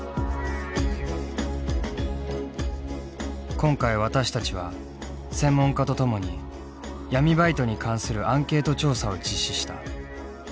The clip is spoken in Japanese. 今回私たちは専門家と共に闇バイトに関するアンケート調査を実施した。